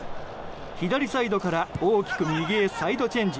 左サイドから大きく右へサイドチェンジ。